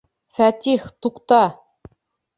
Фәтих, туҡта!